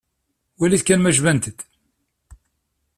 Walit kan ma jbant-d.